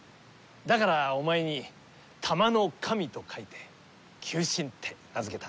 だからお前に「球」の「神」と書いて「球神」って名付けたんだ。